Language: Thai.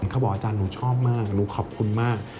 เขาบอกอาจารย์หนูชอบมากหนูขอบคุณมาก